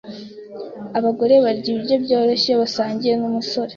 Abagore barya ibiryo byoroheje iyo basangiye numusore.